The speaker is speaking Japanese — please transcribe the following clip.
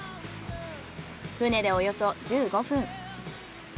船でおよそ１５分。